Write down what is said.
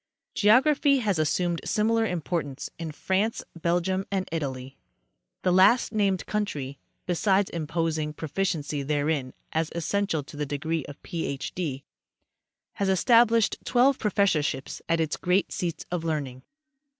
Geography has assumed similar importance in France, Bel gium and Italy. The last named country, besides imposing pro ficiency therein as essential to the degree of Ph. D., has estab lished twelve professorships at its great seats of learning.